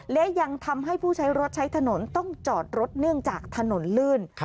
และยังทำให้ผู้ใช้รถใช้ถนนต้องจอดรถเนื่องจากถนนลื่น